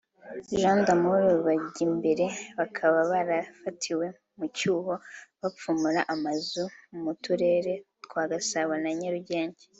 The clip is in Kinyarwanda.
na Jean d’Amour Bajyimbere bakaba barafatiwe mu cyuho bapfumura amazu mu turere twa Gasabo na Nyarugenge